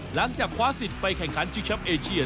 หลังจากคว้าสิทธิ์ไปแข่งขันชิงแชมป์เอเชีย